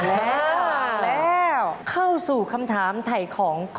แล้วเข้าสู่คำถามถ่ายของทุกคน